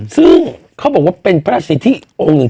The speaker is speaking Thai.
ซึ่งเขาบอกว่าเป็นพระราชสิทธิองค์หนึ่ง